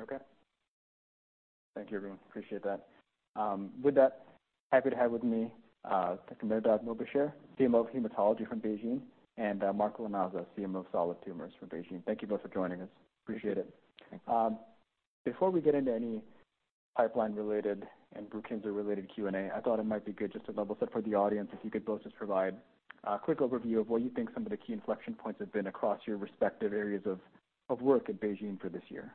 Okay. Thank you, everyone. Appreciate that. With that, happy to have with me Dr. Mehrdad Mobasher, CMO of Hematology from BeiGene, and Mark Lanasa, CMO of Solid Tumors from BeiGene. Thank you both for joining us. Appreciate it. Before we get into any pipeline-related and BRUKINSA-related Q&A, I thought it might be good just to level set for the audience, if you could both just provide a quick overview of what you think some of the key inflection points have been across your respective areas of work at BeiGene for this year.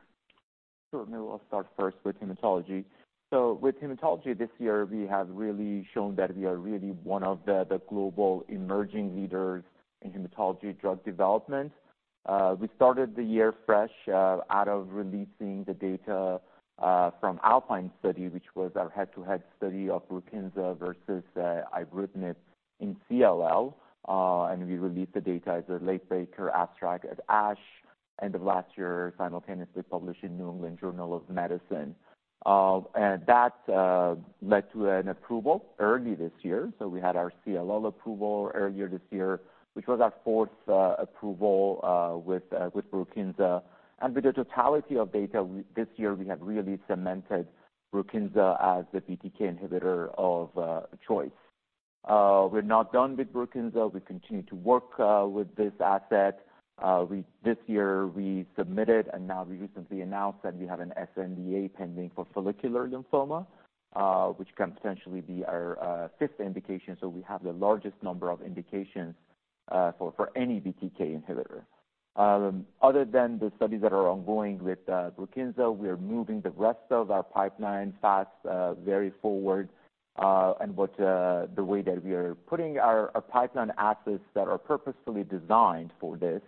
Sure, maybe I'll start first with hematology. So with hematology, this year, we have really shown that we are really one of the global emerging leaders in hematology drug development. We started the year fresh out of releasing the data from Alpine study, which was our head-to-head study of BRUKINSA versus ibrutinib in CLL. And we released the data as a late breaker abstract at ASH, end of last year, simultaneously published in New England Journal of Medicine. And that led to an approval early this year. So we had our CLL approval earlier this year, which was our fourth approval with BRUKINSA. And with the totality of data this year, we have really cemented BRUKINSA as the BTK inhibitor of choice. We're not done with BRUKINSA. We continue to work with this asset. This year, we submitted, and now we recently announced that we have an sNDA pending for follicular lymphoma, which can potentially be our fifth indication. So we have the largest number of indications for any BTK inhibitor. Other than the studies that are ongoing with BRUKINSA, we are moving the rest of our pipeline fast, very forward. And the way that we are putting our pipeline assets that are purposefully designed for this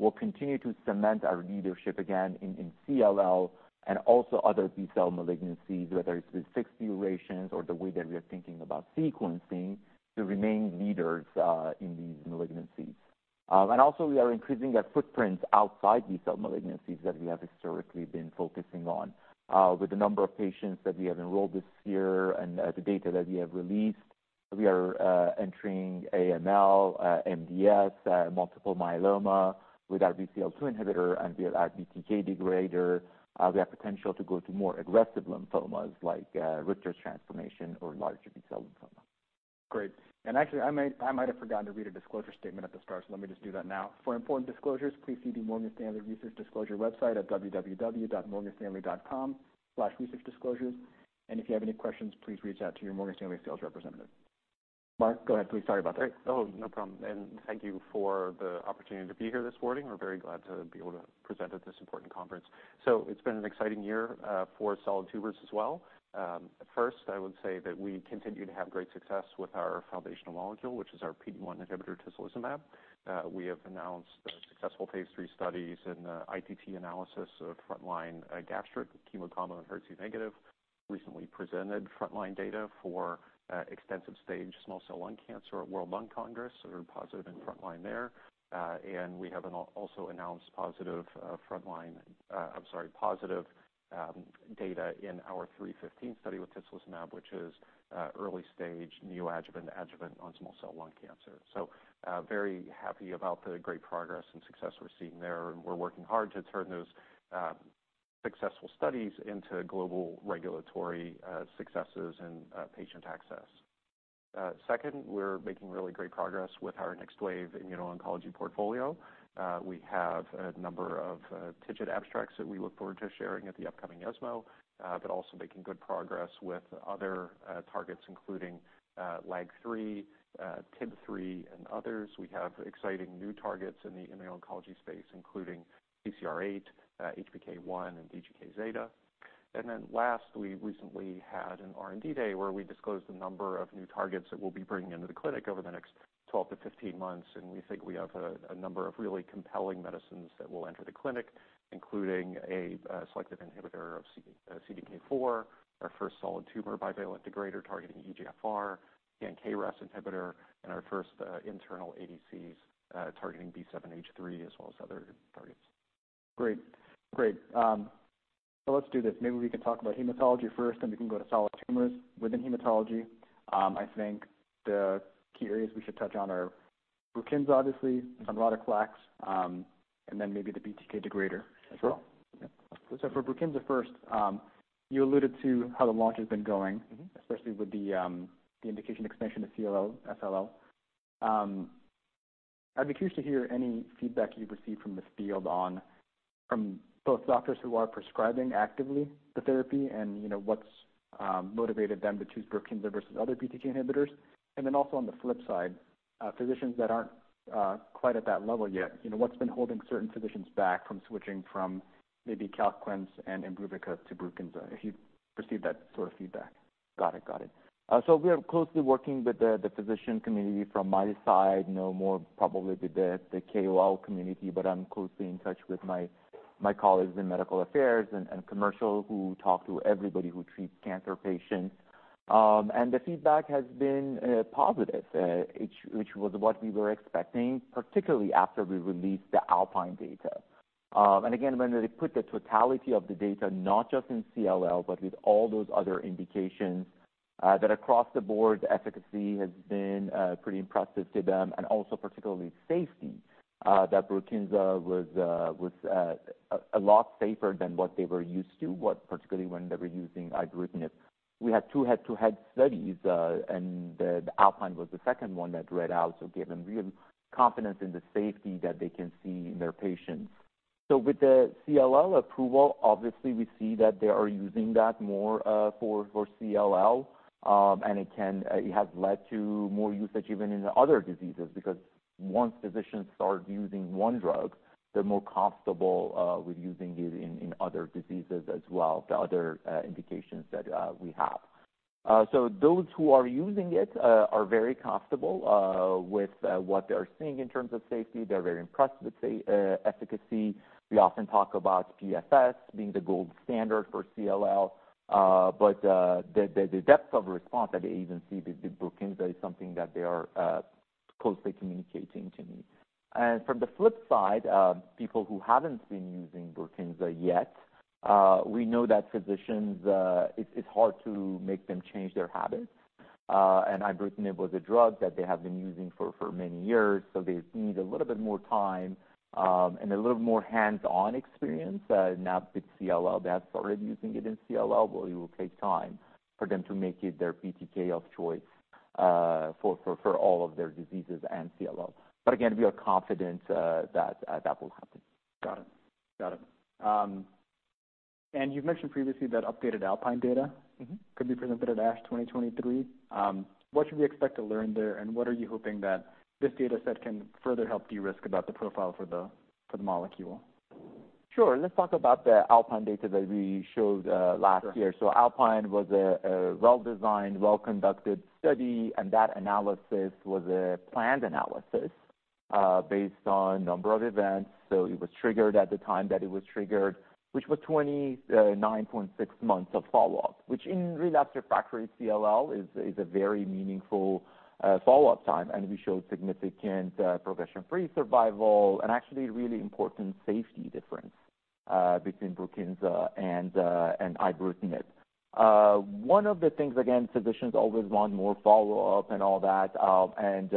will continue to cement our leadership again in CLL and also other B-cell malignancies, whether it's with fixed durations or the way that we are thinking about sequencing, to remain leaders in these malignancies. And also, we are increasing our footprint outside B-cell malignancies that we have historically been focusing on. With the number of patients that we have enrolled this year and the data that we have released, we are entering AML, MDS, multiple myeloma with our BCL-2 inhibitor and with our BTK degrader. We have potential to go to more aggressive lymphomas like Richter's transformation or large B-cell lymphoma. Great. And actually, I might have forgotten to read a disclosure statement at the start, so let me just do that now. For important disclosures, please see the Morgan Stanley Research Disclosure website at www.morganstanley.com/researchdisclosures. And if you have any questions, please reach out to your Morgan Stanley sales representative. Mark, go ahead, please. Sorry about that. Great. Oh, no problem. And thank you for the opportunity to be here this morning. We're very glad to be able to present at this important conference. So it's been an exciting year for solid tumors as well. First, I would say that we continue to have great success with our foundational molecule, which is our PD-1 inhibitor, tislelizumab. We have announced the successful phase III studies and ITT analysis of frontline gastric chemo combo and HER2 negative. Recently presented frontline data for extensive stage small cell lung cancer at World Lung Congress, sort of positive and frontline there. And we have also announced positive frontline data in our 315 study with tislelizumab, which is early stage neoadjuvant, adjuvant on small cell lung cancer. So, very happy about the great progress and success we're seeing there, and we're working hard to turn those successful studies into global regulatory successes and patient access. Second, we're making really great progress with our next wave immuno-oncology portfolio. We have a number of TIGIT abstracts that we look forward to sharing at the upcoming ESMO, but also making good progress with other targets, including LAG-3, TIM-3, and others. We have exciting new targets in the immuno-oncology space, including CCR8, HPK-1, and DGK-zeta. And then last, we recently had an R&D day, where we disclosed a number of new targets that we'll be bringing into the clinic over the next 12-15 months, and we think we have a number of really compelling medicines that will enter the clinic, including a selective inhibitor of CDK4, our first solid tumor bivalent degrader targeting EGFR, and KRAS inhibitor, and our first internal ADCs targeting B7-H3, as well as other targets. Great. Great, so let's do this. Maybe we can talk about hematology first, and we can go to solid tumors. Within hematology, I think the key areas we should touch on are BRUKINSA, obviously, some product launches, and then maybe the BTK degrader as well. Sure. So for BRUKINSA first, you alluded to how the launch has been going- Mm-hmm. Especially with the indication expansion to CLL, FL. I'd be curious to hear any feedback you've received from the field on, from both doctors who are prescribing actively the therapy and, you know, what's motivated them to choose BRUKINSA versus other BTK inhibitors. And then also on the flip side, physicians that aren't quite at that level yet, you know, what's been holding certain physicians back from switching from maybe Calquence and ibrutinib to BRUKINSA, if you've received that sort of feedback? Got it. Got it. So we are closely working with the physician community. From my side, no, more probably with the KOL community, but I'm closely in touch with my colleagues in medical affairs and commercial, who talk to everybody who treats cancer patients. And the feedback has been positive, which was what we were expecting, particularly after we released the Alpine data. And again, when they put the totality of the data, not just in CLL, but with all those other indications. That across the board, the efficacy has been pretty impressive to them, and also particularly safety. That BRUKINSA was a lot safer than what they were used to, what particularly when they were using ibrutinib. We had two head-to-head studies, and the Alpine was the second one that read out, so give them real confidence in the safety that they can see in their patients. So with the CLL approval, obviously we see that they are using that more, for CLL. And it has led to more usage even in the other diseases. Because once physicians start using one drug, they're more comfortable, with using it in other diseases as well, the other indications that we have. So those who are using it are very comfortable, with what they are seeing in terms of safety. They're very impressed with the efficacy. We often talk about PFS being the gold standard for CLL, but the depth of response that they even see with BRUKINSA is something that they are closely communicating to me. From the flip side, people who haven't been using BRUKINSA yet, we know that physicians, it's hard to make them change their habits. And ibrutinib was a drug that they have been using for many years, so they need a little bit more time, and a little more hands-on experience. Now with CLL, that's already using it in CLL, well, it will take time for them to make it their BTK of choice, for all of their diseases and CLL. But again, we are confident that that will happen. Got it. Got it. And you've mentioned previously that updated Alpine data- Mm-hmm. Could be presented at ASH 2023. What should we expect to learn there, and what are you hoping that this data set can further help de-risk about the profile for the, for the molecule? Sure. Let's talk about the Alpine data that we showed last year. Sure. So Alpine was a well-designed, well-conducted study, and that analysis was a planned analysis based on number of events. So it was triggered at the time that it was triggered, which was 29.6 months of follow-up. Which in relapsed refractory CLL is a very meaningful follow-up time, and we showed significant progression-free survival, and actually really important safety difference between BRUKINSA and ibrutinib. One of the things, again, physicians always want more follow-up and all that, and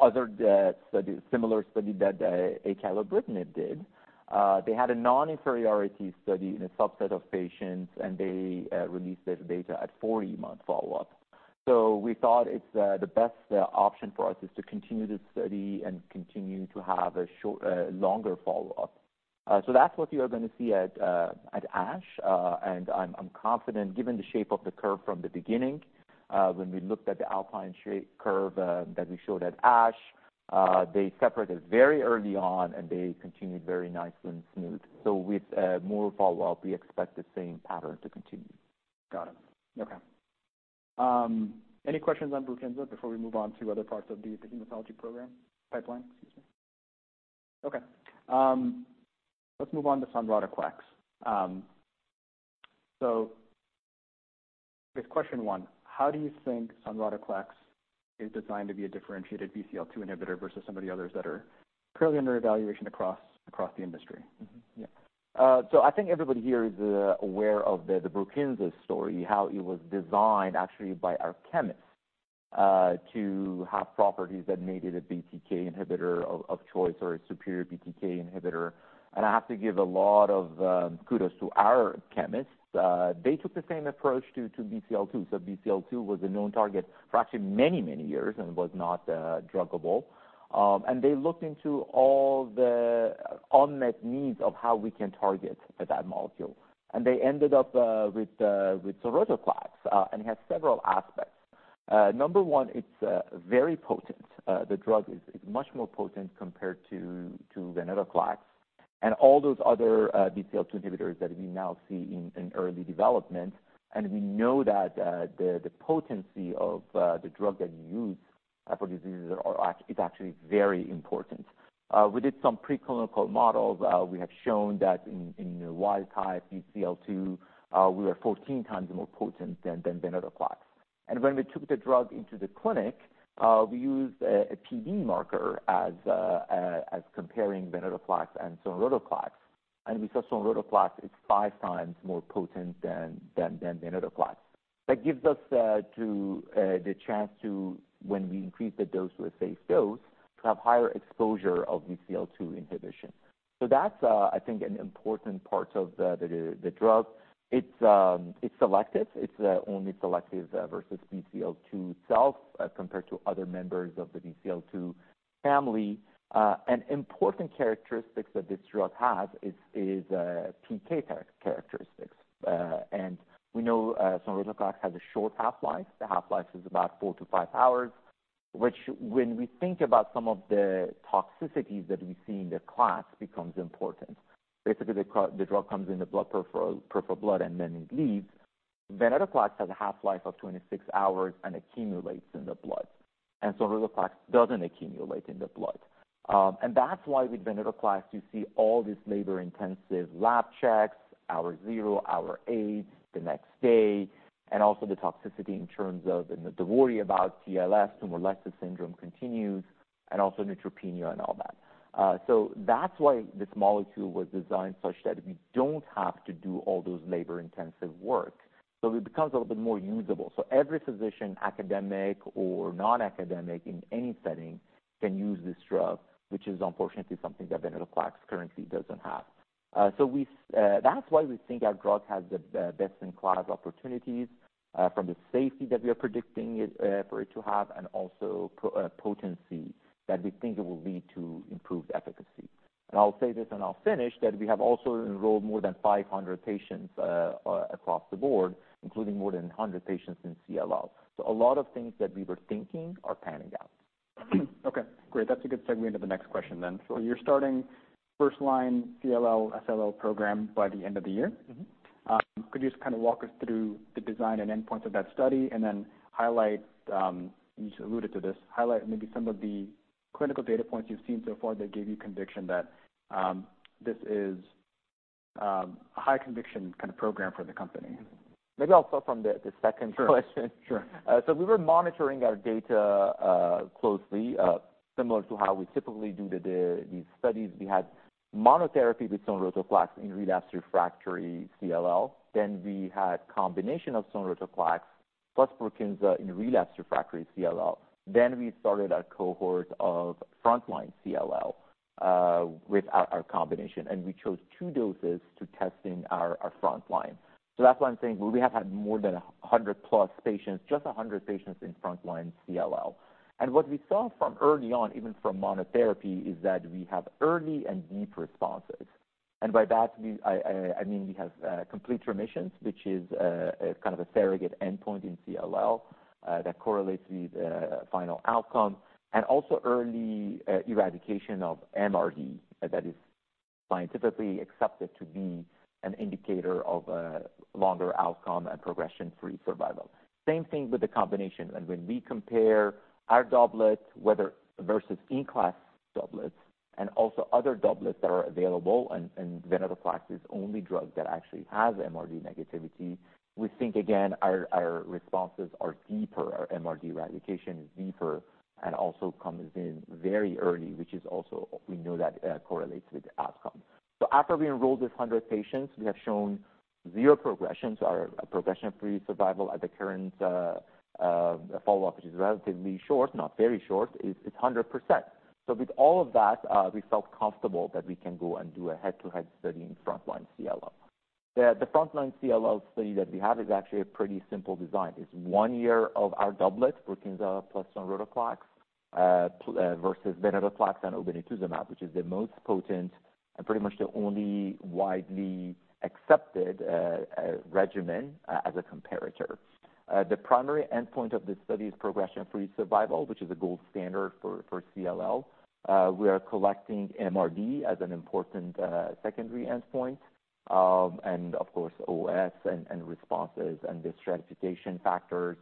other studies, similar study that acalabrutinib did. They had a non-inferiority study in a subset of patients, and they released their data at 40-month follow-up. So we thought it's the best option for us is to continue the study and continue to have longer follow-up. So that's what you are gonna see at, at ASH. And I'm, I'm confident, given the shape of the curve from the beginning, when we looked at the Alpine shape curve, that we showed at ASH, they separated very early on, and they continued very nice and smooth. So with, more follow-up, we expect the same pattern to continue. Got it. Okay. Any questions on BRUKINSA before we move on to other parts of the hematology program? Pipeline, excuse me. Okay, let's move on to sonrotoclax. So with question one, how do you think sonrotoclax is designed to be a differentiated BCL-2 inhibitor versus some of the others that are currently under evaluation across, across the industry? Mm-hmm. Yeah. So I think everybody here is aware of the BRUKINSA story, how it was designed actually by our chemists to have properties that made it a BTK inhibitor of choice or a superior BTK inhibitor. And I have to give a lot of kudos to our chemists. They took the same approach to BCL-2. So BCL-2 was a known target for actually many, many years and was not druggable. And they looked into all the unmet needs of how we can target that molecule. And they ended up with sonrotoclax, and it has several aspects. Number one, it's very potent. The drug is much more potent compared to venetoclax and all those other BCL-2 inhibitors that we now see in early development. We know that the potency of the drug that you use for diseases is actually very important. We did some preclinical models. We have shown that in wild type BCL-2, we were 14x more potent than venetoclax. When we took the drug into the clinic, we used a PD marker as comparing venetoclax and sonrotoclax. We saw sonrotoclax is 5x more potent than venetoclax. That gives us the chance to, when we increase the dose with safe dose, to have higher exposure of BCL-2 inhibition. So that's, I think, an important part of the drug. It's selective. It's only selective versus BCL-2 itself compared to other members of the BCL-2 family. An important characteristic that this drug has is PK characteristics. And we know sonrotoclax has a short half-life. The half-life is about four to five hours, which when we think about some of the toxicities that we see in the class, becomes important. Basically, the drug comes in the blood, and then it leaves. Venetoclax has a half-life of 26 hours and accumulates in the blood, and sonrotoclax doesn't accumulate in the blood. And that's why with venetoclax, you see all this labor-intensive lab checks, hour zero, hour eight, the next day, and also the toxicity in terms of, and the worry about TLS, tumor lysis syndrome, continues, and also neutropenia and all that. So that's why this molecule was designed such that we don't have to do all those labor-intensive work. So it becomes a little bit more usable. So every physician, academic or non-academic, in any setting, can use this drug, which is unfortunately something that venetoclax currently doesn't have. So that's why we think our drug has the best-in-class opportunities from the safety that we are predicting it for it to have, and also potency that we think it will lead to improved efficacy. And I'll say this, and I'll finish, that we have also enrolled more than 500 patients across the board, including more than 100 patients in CLL. So a lot of things that we were thinking are panning out. Okay, great. That's a good segue into the next question then. So you're starting first-line CLL/SLL program by the end of the year? Mm-hmm. Could you just kind of walk us through the design and endpoints of that study, and then highlight, you just alluded to this, highlight maybe some of the clinical data points you've seen so far that give you conviction that, this is, a high-conviction kind of program for the company? Mm-hmm. Maybe I'll start from the second question. Sure, sure. So we were monitoring our data closely, similar to how we typically do these studies. We had monotherapy with sonrotoclax in relapsed refractory CLL. Then we had combination of sonrotoclax plus BRUKINSA in relapsed refractory CLL. Then we started a cohort of frontline CLL with our combination, and we chose two doses to test in our frontline. So that's why I'm saying we have had more than 100+ patients, just 100 patients in frontline CLL. And what we saw from early on, even from monotherapy, is that we have early and deep responses. And by that I mean we have complete remissions, which is a kind of a surrogate endpoint in CLL that correlates with final outcome, and also early eradication of MRD, that is scientifically accepted to be an indicator of longer outcome and progression-free survival. Same thing with the combination. And when we compare our doublet, whether versus in-class doublets and also other doublets that are available, and venetoclax is only drug that actually has MRD negativity, we think, again, our responses are deeper, our MRD eradication is deeper and also comes in very early, which is also, we know that correlates with outcome. So after we enrolled this 100 patients, we have shown zero progression, so our progression-free survival at the current follow-up, which is relatively short, not very short, is 100%. So with all of that, we felt comfortable that we can go and do a head-to-head study in frontline CLL. The frontline CLL study that we have is actually a pretty simple design. It's one year of our doublet, BRUKINSA plus sonrotoclax, versus venetoclax and obinutuzumab, which is the most potent and pretty much the only widely accepted regimen as a comparator. The primary endpoint of this study is progression-free survival, which is a gold standard for CLL. We are collecting MRD as an important secondary endpoint. And of course, OS and responses and the stratification factors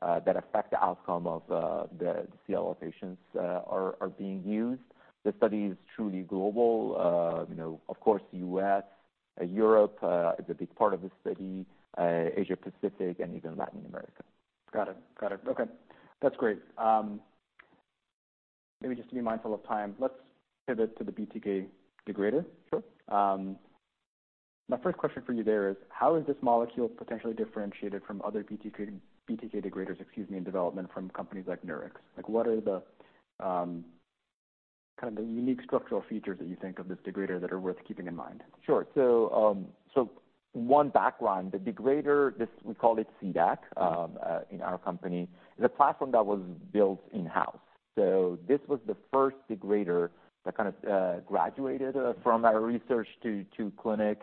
that affect the outcome of the CLL patients are being used. The study is truly global. You know, of course, U.S., Europe is a big part of the study, Asia Pacific and even Latin America. Got it. Got it. Okay, that's great. Maybe just to be mindful of time, let's pivot to the BTK degrader. Sure. My first question for you there is: How is this molecule potentially differentiated from other BTK, BTK degraders, excuse me, in development from companies like Nurix? Like, what are the, kind of the unique structural features that you think of this degrader that are worth keeping in mind? Sure. So, so one background, the degrader, this, we call it CDAC, in our company, is a platform that was built in-house. So this was the first degrader that kind of, graduated, from our research to, to clinic,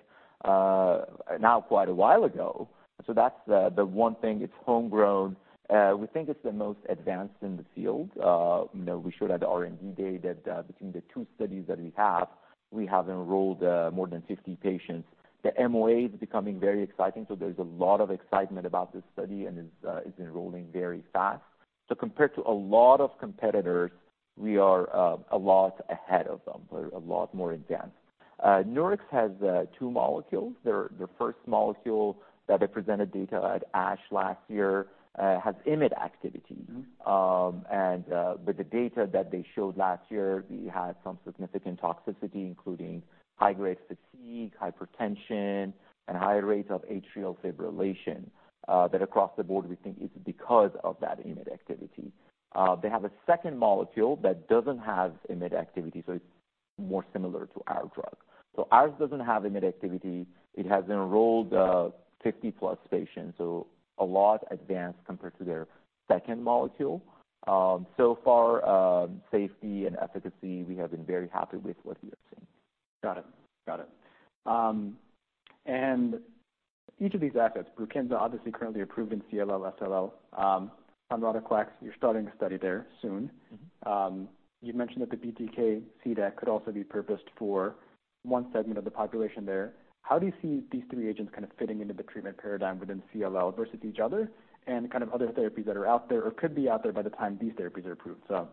now quite a while ago. So that's the, the one thing, it's homegrown. We think it's the most advanced in the field. You know, we showed at the R&D Day that, between the two studies that we have, we have enrolled, more than 50 patients. The MOA is becoming very exciting, so there's a lot of excitement about this study, and it's, it's enrolling very fast. So compared to a lot of competitors, we are, a lot ahead of them. We're a lot more advanced. Nurix has, two molecules. Their first molecule that they presented data at ASH last year has IMiD activity. Mm-hmm. But the data that they showed last year, we had some significant toxicity, including high-grade fatigue, hypertension, and higher rates of atrial fibrillation, that across the board we think is because of that IMiD activity. They have a second molecule that doesn't have IMiD activity, so it's more similar to our drug. So ours doesn't have IMiD activity. It has enrolled 50+ patients, so a lot advanced compared to their second molecule. So far, safety and efficacy, we have been very happy with what we are seeing. Got it. Got it. And each of these assets, BRUKINSA, obviously currently approved in CLL, SLL, sonrotoclax, you're starting a study there soon. Mm-hmm. You've mentioned that the BTK CDAC could also be purposed for one segment of the population there. How do you see these three agents kind of fitting into the treatment paradigm within CLL versus each other, and kind of other therapies that are out there or could be out there by the time these therapies are approved? So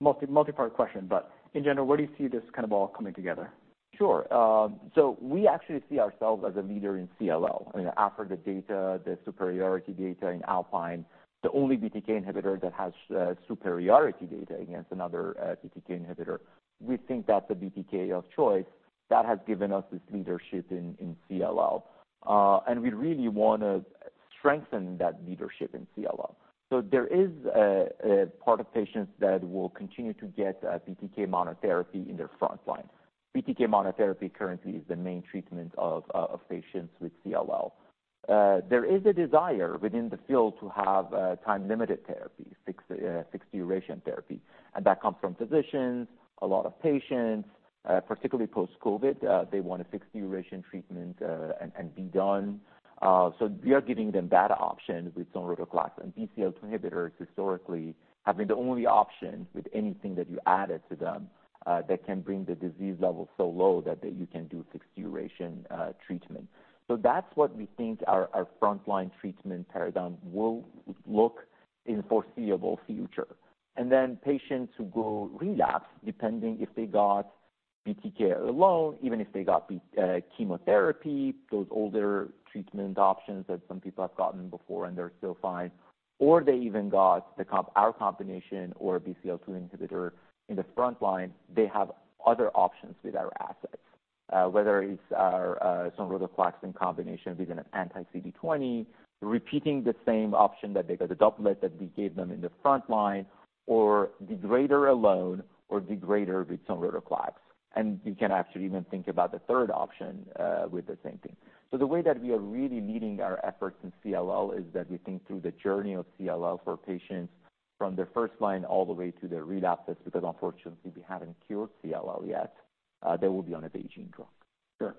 multi-part question, but in general, where do you see this kind of all coming together? Sure. So we actually see ourselves as a leader in CLL. I mean, after the data, the superiority data in Alpine, the only BTK inhibitor that has superiority data against another BTK inhibitor, we think that's the BTK of choice. That has given us this leadership in CLL, and we really want to strengthen that leadership in CLL. So there is a part of patients that will continue to get a BTK monotherapy in their frontline. BTK monotherapy currently is the main treatment of patients with CLL. There is a desire within the field to have time-limited therapy, fixed-duration therapy, and that comes from physicians, a lot of patients, particularly post-COVID, they want a fixed-duration treatment, and be done. So we are giving them that option with sonrotoclax, and BCL-2 inhibitors historically have been the only option with anything that you added to them, that can bring the disease level so low that you can do fixed-duration treatment. So that's what we think our frontline treatment paradigm will look in foreseeable future. And then patients who go relapse, depending if they got BTK alone, even if they got chemotherapy, those older treatment options that some people have gotten before and they're still fine, or they even got our combination or BCL-2 inhibitor in the frontline, they have other options with our assets. Whether it's our sonrotoclax in combination with an anti-CD20, repeating the same option that they got, the doublet that we gave them in the frontline, or degrader alone, or degrader with sonrotoclax. You can actually even think about the third option with the same thing. The way that we are really leading our efforts in CLL is that we think through the journey of CLL for patients from their first line all the way to their relapse, because unfortunately, we haven't cured CLL yet. They will be on a BeiGene drug. Sure.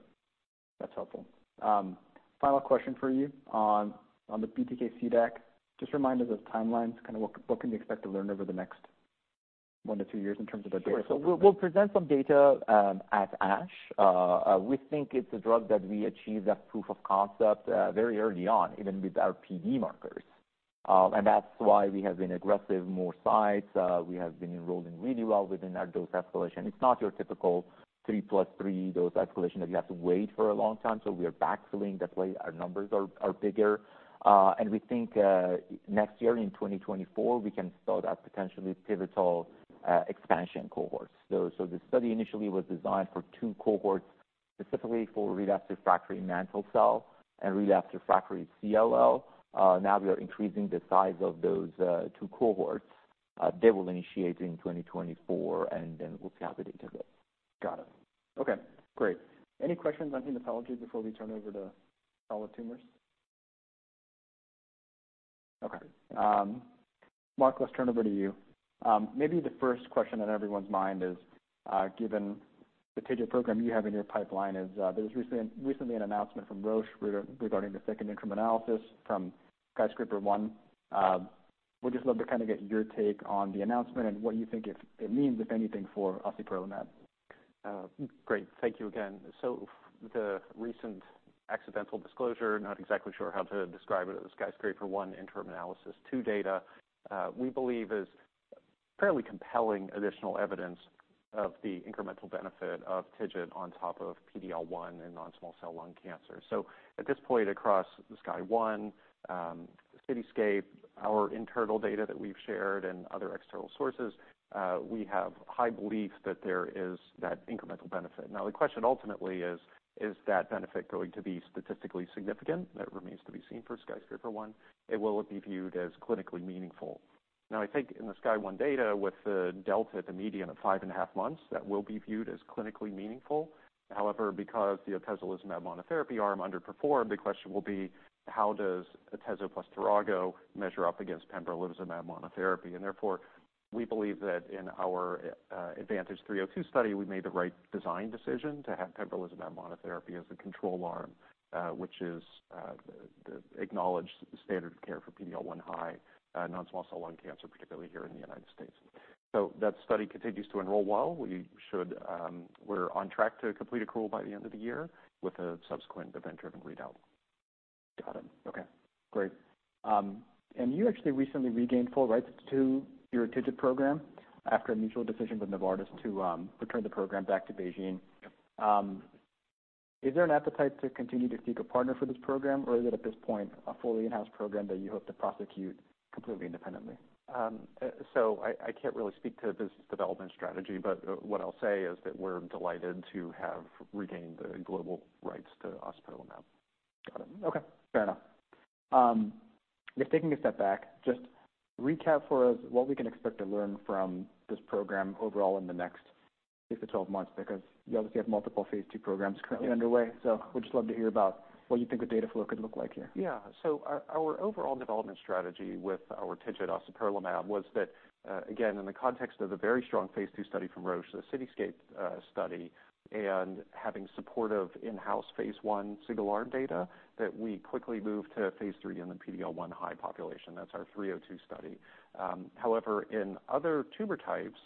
That's helpful. Final question for you on the BTK CDAC. Just remind us of timelines, kind of what can we expect to learn over the next one to two years in terms of the data? Sure. So we'll present some data at ASH. We think it's a drug that we achieve that proof of concept very early on, even with our PD markers. And that's why we have been aggressive, more sites, we have been enrolling really well within our dose escalation. It's not your typical 3 + 3 dose escalation that you have to wait for a long time. So we are backfilling, that's why our numbers are bigger. And we think next year, in 2024, we can start a potentially pivotal expansion cohorts. So the study initially was designed for two cohorts, specifically for relapsed refractory mantle cell and relapsed refractory CLL. Now we are increasing the size of those two cohorts. They will initiate in 2024, and then we'll have the data there. Got it. Okay, great. Any questions on hematology before we turn over to solid tumors? Okay, Mark, let's turn over to you. Maybe the first question on everyone's mind is, given the TIGIT program you have in your pipeline is, there was recently, recently an announcement from Roche regarding the second interim analysis from Skyscraper-01. Would just love to kind of get your take on the announcement and what you think it means, if anything, for ociperlimab? Great. Thank you again. So the recent accidental disclosure, not exactly sure how to describe it, the Skyscraper-01 interim analysis 2 data, we believe is fairly compelling additional evidence of the incremental benefit of TIGIT on top of PD-L1 and non-small cell lung cancer. So at this point, across the SKY1, CITYSCAPE, our internal data that we've shared and other external sources, we have high belief that there is that incremental benefit. Now, the question ultimately is: Is that benefit going to be statistically significant? That remains to be seen for Skyscraper-01. Will it be viewed as clinically meaningful? Now, I think in the SKY1 data, with the delta at the median of 5.5 months, that will be viewed as clinically meaningful. However, because the atezolizumab monotherapy arm underperformed, the question will be: How does atezolizumab plus tiragolumab measure up against pembrolizumab monotherapy? Therefore, we believe that in our AdvanTIG-302 study, we made the right design decision to have pembrolizumab monotherapy as a control arm, which is the acknowledged standard of care for PD-L1-high non-small cell lung cancer, particularly here in the United States. So that study continues to enroll well. We're on track to complete accrual by the end of the year with a subsequent event-driven readout. Got it. Okay, great. You actually recently regained full rights to your TIGIT program after a mutual decision with Novartis to return the program back to BeiGene. Is there an appetite to continue to seek a partner for this program, or is it, at this point, a fully in-house program that you hope to prosecute completely independently? I can't really speak to the business development strategy, but what I'll say is that we're delighted to have regained the global rights to ociperlimab. Got it. Okay, fair enough. Just taking a step back, just recap for us what we can expect to learn from this program overall in the next six-12 months, because you obviously have multiple phase II programs currently underway, so we'd just love to hear about what you think the data flow could look like here? Yeah. So our overall development strategy with our TIGIT ociperlimab was that, again, in the context of a very strong phase II study from Roche, the CITYSCAPE study, and having supportive in-house phase I single-arm data, that we quickly moved to phase III in the PD-L1-high population. That's our 302 study. However, in other tumor types,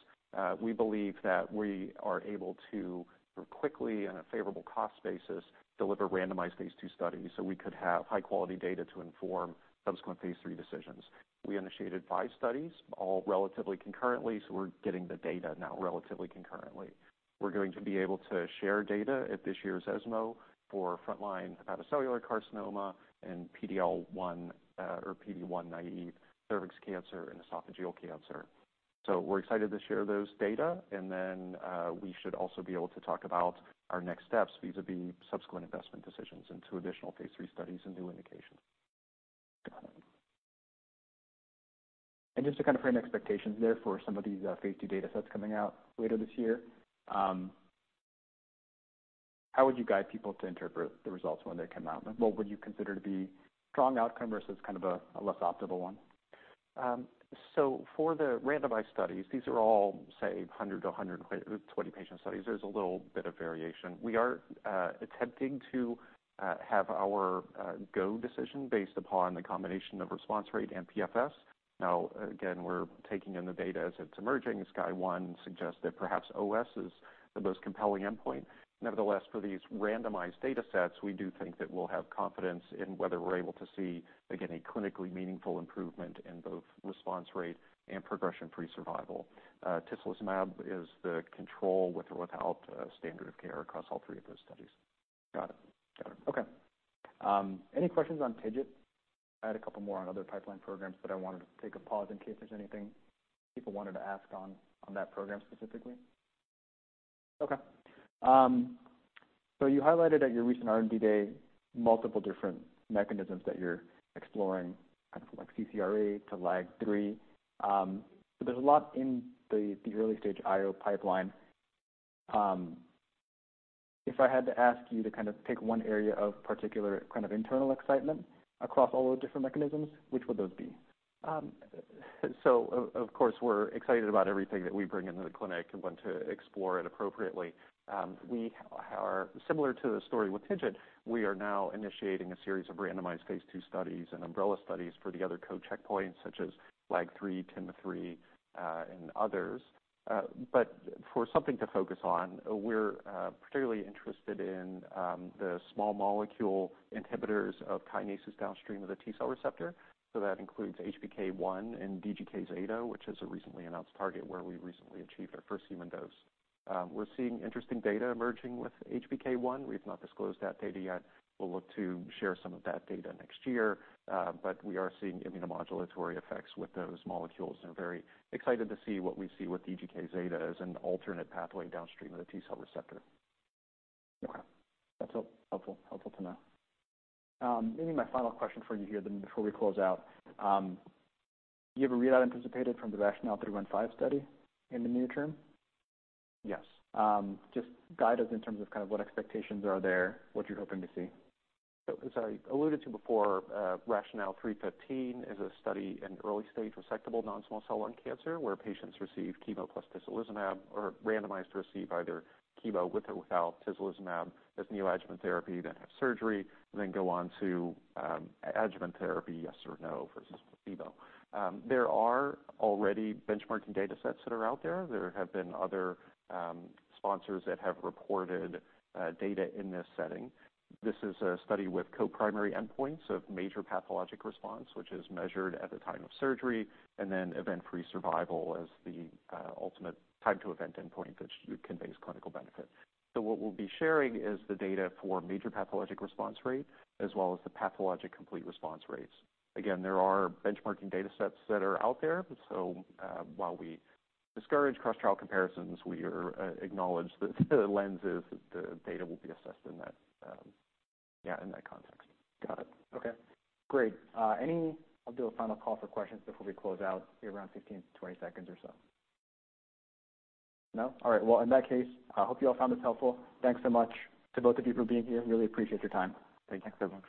we believe that we are able to, quickly and at favorable cost basis, deliver randomized phase II studies, so we could have high-quality data to inform subsequent phase III decisions. We initiated five studies, all relatively concurrently, so we're getting the data now relatively concurrently. We're going to be able to share data at this year's ESMO for frontline hepatocellular carcinoma and PD-L1 or PD-1 naive cervix cancer and esophageal cancer. So we're excited to share those data, and then we should also be able to talk about our next steps vis-à-vis subsequent investment decisions and two additional phase III studies and new indications. Got it. Just to kind of frame expectations there for some of these, phase II data sets coming out later this year, how would you guide people to interpret the results when they come out? What would you consider to be strong outcome versus kind of a less optimal one? So for the randomized studies, these are all, say, 100- to 120-patient studies. There's a little bit of variation. We are attempting to have our go decision based upon the combination of response rate and PFS. Now, again, we're taking in the data as it's emerging. Skyscraper-01 suggests that perhaps OS is the most compelling endpoint. Nevertheless, for these randomized data sets, we do think that we'll have confidence in whether we're able to see, again, a clinically meaningful improvement in both response rate and progression-free survival. Tislelizumab is the control, with or without a standard of care, across all three of those studies. Got it. Got it. Okay. Any questions on TIGIT? I had a couple more on other pipeline programs, but I wanted to take a pause in case there's anything people wanted to ask on, on that program specifically. Okay. So you highlighted at your recent R&D Day, multiple different mechanisms that you're exploring, kind of like TIGIT to LAG-3. So there's a lot in the early-stage IO pipeline. If I had to ask you to kind of pick one area of particular kind of internal excitement across all the different mechanisms, which would those be? So of course, we're excited about everything that we bring into the clinic and want to explore it appropriately. We are similar to the story with TIGIT. We are now initiating a series of randomized phase II studies and umbrella studies for the other co-checkpoints, such as LAG-3, TIM-3, and others. But for something to focus on, we're particularly interested in the small molecule inhibitors of kinases downstream of the T-cell receptor. So that includes HPK1 and DGK-zeta, which is a recently announced target where we recently achieved our first human dose. We're seeing interesting data emerging with HPK1. We've not disclosed that data yet. We'll look to share some of that data next year, but we are seeing immunomodulatory effects with those molecules and very excited to see what we see with DGK-zeta as an alternate pathway downstream of the T-cell receptor. Okay. That's helpful to know. Maybe my final question for you here then before we close out. Do you have a readout anticipated from the RATIONALE-315 study in the near term? Yes. Just guide us in terms of kind of what expectations are there, what you're hoping to see. So as I alluded to before, RATIONALE-315 is a study in early-stage resectable non-small cell lung cancer, where patients receive chemo plus tislelizumab or randomized to receive either chemo with or without tislelizumab as neoadjuvant therapy, then have surgery, and then go on to, adjuvant therapy, yes or no, versus placebo. There are already benchmarking data sets that are out there. There have been other, sponsors that have reported, data in this setting. This is a study with co-primary endpoints of major pathologic response, which is measured at the time of surgery, and then event-free survival as the, ultimate time to event endpoint, which conveys clinical benefit. So what we'll be sharing is the data for major pathologic response rate, as well as the pathologic complete response rates. Again, there are benchmarking data sets that are out there, so while we discourage cross-trial comparisons, we acknowledge that the lens is the data will be assessed in that context. Got it. Okay, great. Any... I'll do a final call for questions before we close out, around 15-20 seconds or so. No? All right. Well, in that case, I hope you all found this helpful. Thanks so much to both of you for being here. Really appreciate your time. Thanks. Thanks, everyone.